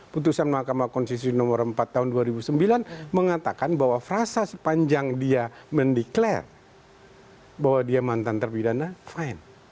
putusan mahkamah konstitusi nomor empat tahun dua ribu sembilan mengatakan bahwa frasa sepanjang dia mendeklarasi bahwa dia mantan terpidana fine